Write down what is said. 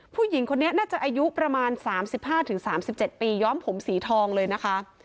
ผู้หญิงคนนี้น่าจะอายุประมาณสามสิบห้าถึงสามสิบเจ็ดปีย้อมผมสีทองเลยนะคะ